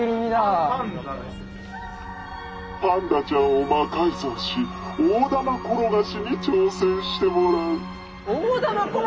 「パンダちゃんを魔改造し大玉転がしに挑戦してもらう」。